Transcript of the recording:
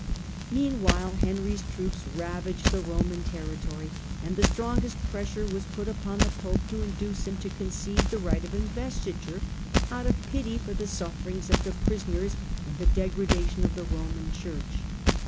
Meanwhile, Henry's troops ravaged the Roman territory, and the strongest pressure was put upon the pope to induce him to concede the right of investi ture, out of pity for the sufferings of the prisoners and the degradation of the Roman Church.